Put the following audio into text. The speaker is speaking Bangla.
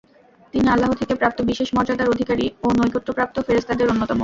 তিনি আল্লাহ থেকে প্রাপ্ত বিশেষ মর্যাদার অধিকারী ও নৈকট্যপ্রাপ্ত ফেরেশতাদের অন্যতম।